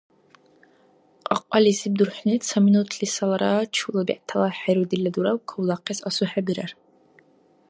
Кьакьализиб дурхӀни ца минутлисалра чула бегӀтала хӀерудила дураб кавлахъес асухӀебирар.